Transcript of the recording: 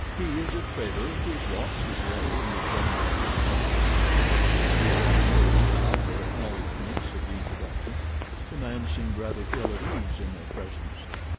"He is a trader who has lost his way in the jungle to the south." My Dear and Meriem bowed their acknowledgments of the introduction. The man seemed rather ill at ease in their presence.